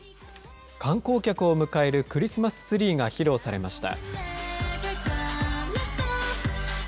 観光客を迎えるクリスマスツリーが披露されました。